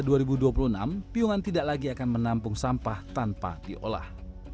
pada tahun dua ribu dua puluh enam piungan tidak lagi akan menampung sampah tanpa diolah